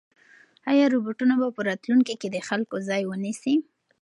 ایا روبوټونه به په راتلونکي کې د خلکو ځای ونیسي؟